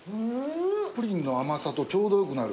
プリンの甘さとちょうどよくなる。